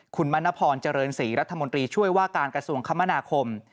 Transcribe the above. คุณมณพรเจริญศรีรัฐมนตรีช่วยว่าการกระทรวงคมนาคม